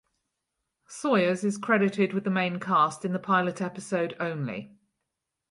Sawyers is credited with the main cast in the pilot episode only.